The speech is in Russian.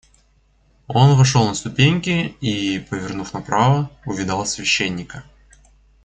Он вошел на ступеньки и, повернув направо, увидал священника.